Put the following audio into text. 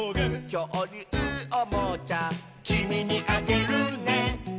「きょうりゅうおもちゃ」「きみにあげるね」